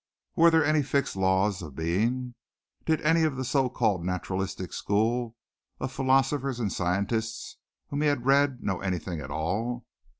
Were there any fixed laws of being? Did any of the so called naturalistic school of philosophers and scientists whom he had read know anything at all?